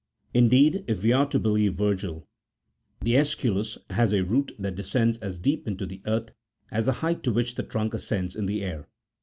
Indeed, if we are to be lieve Virgil,62 the sesculus has a root that descends as deep into the earth as the height to which the trunk ascends in the air.